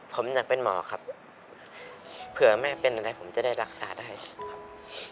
ผมอยากเป็นหมอครับเผื่อแม่เป็นอะไรผมจะได้รักษาได้ครับ